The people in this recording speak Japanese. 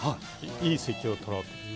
いい席を取ろうと。